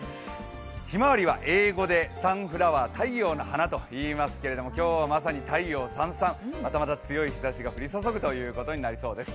ひまわりは英語でサンフラワー、太陽の花といいますけれども今日はまさに太陽サンサンまたまた強い日ざしが降り注ぐということになりそうです。